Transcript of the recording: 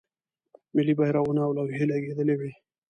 ملی بیرغونه او لوحې لګیدلې وې.